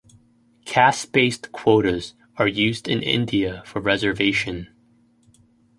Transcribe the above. Caste-based quotas are used in India for reservation.